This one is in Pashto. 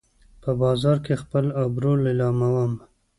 په بازار کې خپل ابرو لیلامومه